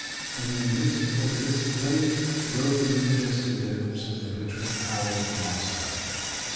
In the midst of this plain rose the majestic domes and glittering towers of Moscow.